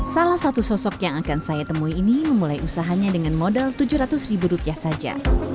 salah satu sosok yang akan saya temui ini memulai usahanya dengan modal tujuh ratus ribu rupiah saja